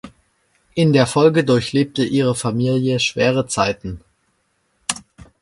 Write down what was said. In der Folge durchlebte ihre Familie schwere Zeiten.